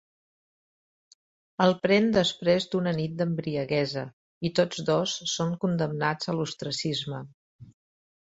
El pren després d'una nit d'embriaguesa, i tots dos són condemnats a l'ostracisme.